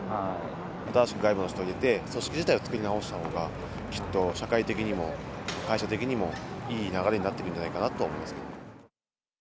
新しい外部の人入れて、組織自体を作り直したほうが、きっと社会的にも、会社的にも、いい流れになってくるんじゃないかと思いますけど。